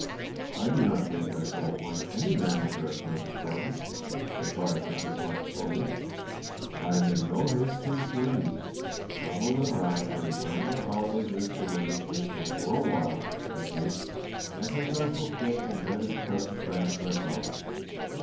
"I do not think I shall appoint any manager at present, Thornton," replied Mr. Clark slowly. "I am in no haste to return East. Donald and I are enjoying our holiday here tremendously and for a while, at least, I think I shall stay and manage Crescent Ranch myself."